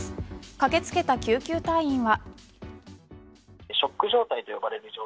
駆け付けた救急隊員は。